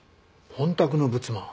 本宅の仏間？